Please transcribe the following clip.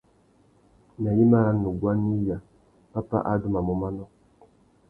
Nà gnïmá râ nuguá nà iya, pápá adumamú manô.